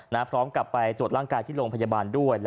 พร้อมกลับไปตรวจร่างกายที่โรงพยาบาลด้วย